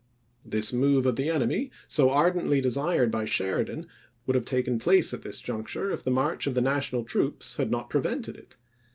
This move of the enemy, so ardently desired by Sheridan, would have taken place at this juncture if the march of the National troops had not prevented it.